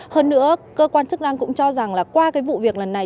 hơn nữa cơ quan chức năng cũng cho rằng qua vụ việc lần này